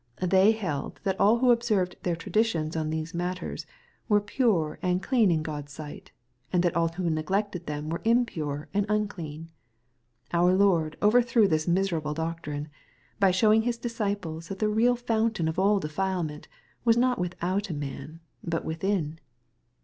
— They held that all who observed their traditions on these matters were pure and clean in God's sight, and that all who neglected them were impure and unclean. — Our Lord overthrew this miserable doctrine, by showing His disciples that the real fountain of all defilement was not without a man, but within.